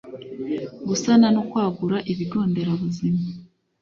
gusana no kwagura ibigo nderabuzima